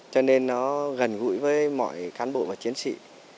cho nên nó gần gũi với mọi cán bộ và chiến sĩ